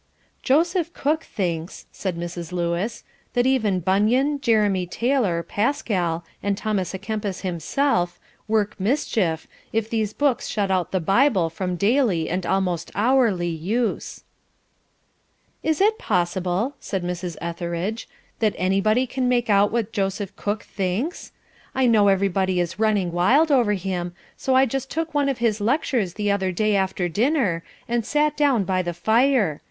"Joseph Cook thinks," said Mrs. Lewis, "that even Bunyan, Jeremy Taylor, Pascal, and Thomas a'Kempis himself, work mischief, if these books shut out the Bible from daily and almost hourly use.' "Is it possible," said Mrs. Etheridge, "that anybody can make out what Joseph Cook thinks? I know everybody is running wild over him, so I just took one of his lectures the other day after dinner, and sat down by the fire.